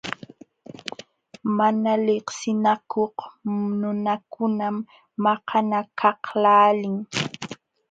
Mana liqsinakuq nunakunam maqanakaqlaalin.